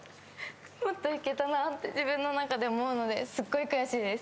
もっといけたなって自分の中で思うのですごい悔しいです。